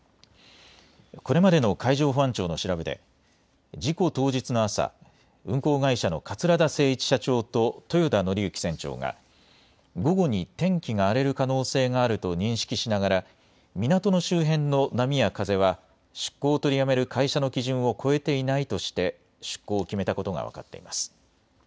これまでの海上保安庁の調べで事故当日の朝、運航会社の桂田精一社長と豊田徳幸船長が午後に天気が荒れる可能性があると認識しながら港の周辺の波や風は出航を取りやめる会社の基準を超えていないとして出航を決めたことが分かってます。